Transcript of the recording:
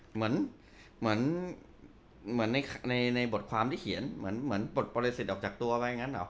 เหมือนในบทความที่เขียนเหมือนบทปริสิทธิ์ออกจากตัวไปอย่างนั้นเหรอ